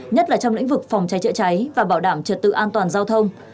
nhất là trong lĩnh vực phòng cháy chữa cháy và bảo đảm trật tự an toàn giao thông